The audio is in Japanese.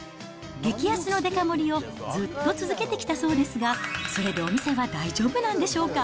激安のデカ盛りをずっと続けてきたそうですが、それでお店は大丈夫なんでしょうか。